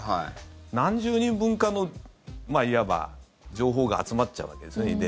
何十人分かの、いわば情報が集まっちゃうわけですよね。